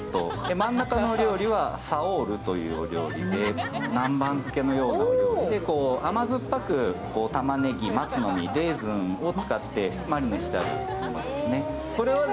真ん中のお料理はサオールというお料理で南蛮漬けのような甘酸っぱくたまねぎ、松の実、レーズンを使ってマリネしてあるものですね。